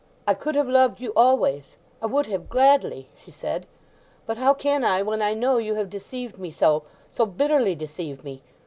"I could have loved you always—I would have, gladly," she said. "But how can I when I know you have deceived me so—so bitterly deceived me!